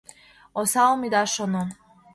Осалым ида шоно.